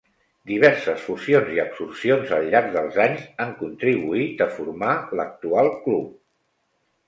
Diverses fusions i absorcions al llarg dels anys han contribuït a formar l'actual club.